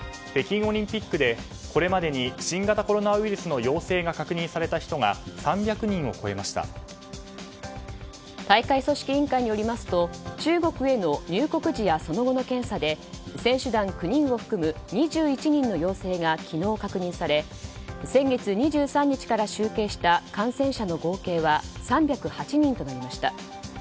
北京オリンピックでこれまでに新型コロナウイルスの陽性が確認された人が大会組織委員会によりますと中国への入国時やその後の検査で選手団９人を含む２１人の陽性が昨日、確認され先月２３日から集計した感染者の合計は３０８人となりました。